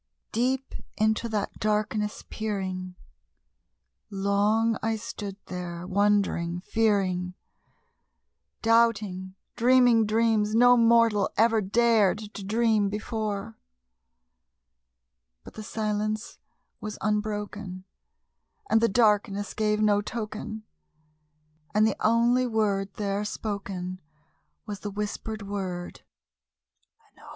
Deep into that darkness peering, long I stood there wondering, fearing, Doubting, dreaming dreams no mortal ever dared to dream before; But the silence was unbroken, and the darkness gave no token, And the only word there spoken was the whispered word, "Lenore!"